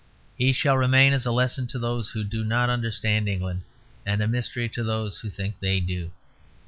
He shall remain as a lesson to those who do not understand England, and a mystery to those who think they do.